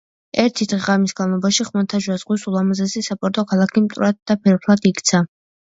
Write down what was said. ერთი დღე-ღამის განმავლობაში ხმელთაშუა ზღვის ულამაზესი საპორტო ქალაქი მტვრად და ფერფლად იქცა.